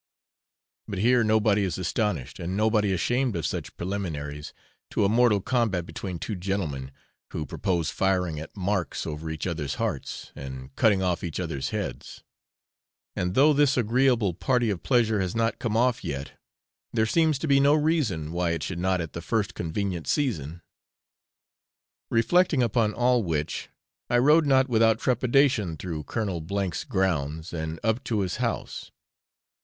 But here nobody is astonished and nobody ashamed of such preliminaries to a mortal combat between two gentlemen, who propose firing at marks over each other's hearts, and cutting off each other's heads; and though this agreeable party of pleasure has not come off yet, there seems to be no reason why it should not at the first convenient season. Reflecting upon all which, I rode not without trepidation through Colonel H 's grounds, and up to his house.